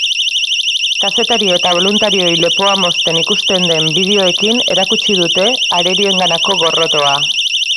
Kazetari eta boluntarioei lepoa mozten ikusten den bideoekin erakutsi dute arerioarenganako gorrotoa.